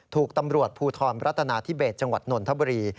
ถูกตำรวจภูทรรัฐนาธิเบสจังหวัดนนทบุรี